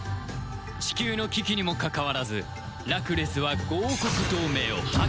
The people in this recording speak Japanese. チキューの危機にもかかわらずラクレスは５王国同盟を破棄する